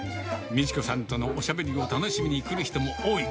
みち子さんとのおしゃべりを楽しみに来る人も多い。